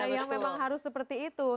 yang memang harus seperti itu